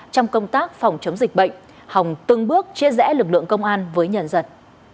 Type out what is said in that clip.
trong công tác phòng chống dịch bệnh hòng từng bước chia rẽ lực lượng công an với nhân dân